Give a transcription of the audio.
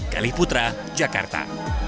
kalih putra jakarta